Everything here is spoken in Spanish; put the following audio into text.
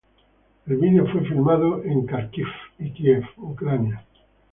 El video fue filmado en Kharkiv y Kiev, Ucrania.